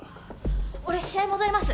俺試合戻ります